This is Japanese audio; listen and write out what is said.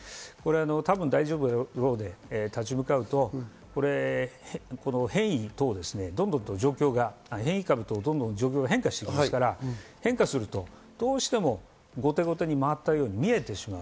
たぶん大丈夫だろうで立ち向かうと変異等、どんどん状況が変化していきますから、変化すると、どうしても後手後手に回ったように見えてしまう。